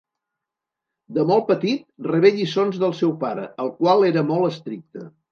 De molt petit rebé lliçons del seu pare el qual era molt estricte.